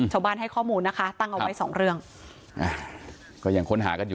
ชาวบ้านให้ข้อมูลนะคะตั้งเอาไว้๒เรื่อง